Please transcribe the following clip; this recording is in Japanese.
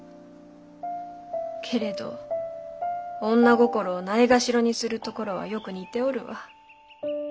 けれど女心をないがしろにするところはよく似ておるわ。